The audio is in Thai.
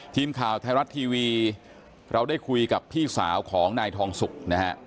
ทีมข่าวไทยรัฐทีวีเราได้คุยกับพี่สาวของนายทองสุกนะฮะ